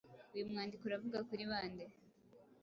Uyu mwandiko uravuga kuri ba nde.